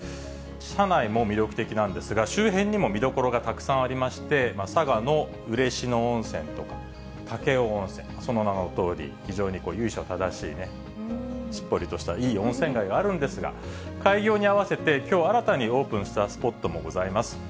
車内も魅力的なんですが、周辺にも見どころがたくさんありまして、佐賀の嬉野温泉とか、武雄温泉、その名のとおり、非常に由緒正しい、しっぽりとしたいい温泉街があるんですが、開業に合わせて、きょう新たにオープンしたスポットもございます。